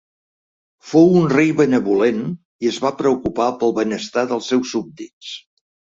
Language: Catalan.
Fou un rei benvolent i es va preocupar pel benestar dels seus súbdits.